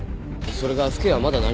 それが府警はまだ何も。